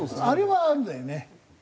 あれはあるんだよね。